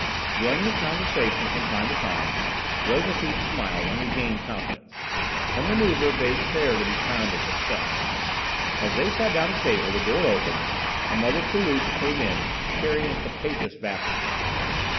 Joining the conversation from time to time, Josephine smiled and regained confidence. Her manoeuvre bade fair to be crowned with success. As they sat down to table the door opened and Mother Toulouche came in, carrying a capacious basket.